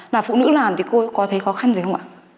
là phụ nữ làm thì cô có thấy khó khăn gì không ạ